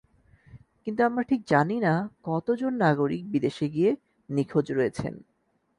কিন্তু আমরা ঠিক জানি না কতজন নাগরিক বিদেশে গিয়ে নিখোঁজ রয়েছেন।